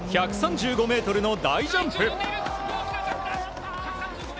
１３５ｍの大ジャンプ。